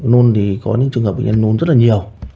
nôn thì có những trường hợp bệnh nhân nôn rất là nhiều